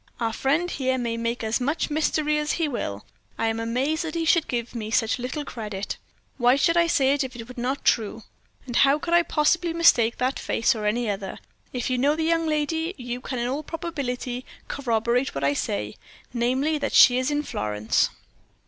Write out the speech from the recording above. Our friend here may make as much mystery as he will. I am amazed that he should give me such little credit. Why should I say it if it were not true? And how could I possibly mistake that face for any other? If you know the young lady, you can in all probability corroborate what I say namely, that she is in Florence."